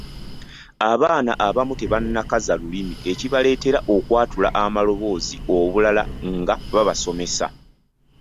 Abaana abamu tebannakaza lulimi ekibaleetera okwatula amaloboozi obulala nga babasomesa.